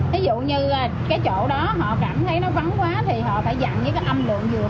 thí dụ như cái chỗ đó họ cảm thấy nó vắng quá thì họ phải dặn với cái âm lượng vừa phải